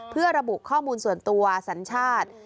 เพื่อระบุข้อมูลส่วนตัวสัญชาติ